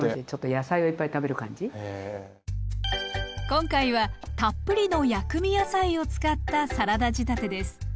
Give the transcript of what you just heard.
今回はたっぷりの薬味野菜を使ったサラダ仕立てです。